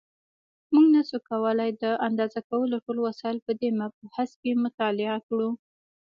مونږ نشو کولای د اندازه کولو ټول وسایل په دې مبحث کې مطالعه کړو.